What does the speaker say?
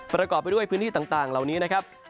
ประกอบไปด้วยพื้นที่ต่างเหล่านี้นะครับ